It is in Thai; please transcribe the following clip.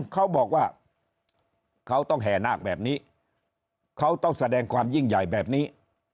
เขาบอกว่าเขาต้องแห่นาคแบบนี้เขาต้องแสดงความยิ่งใหญ่แบบนี้